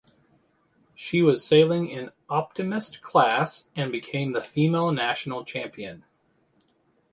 She was sailing in Optimist class and became the female national champion.